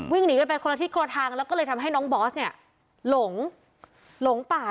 วิ่งหนีกันไปคนละทิศคนละทางแล้วก็เลยทำให้น้องบอสเนี่ยหลงป่า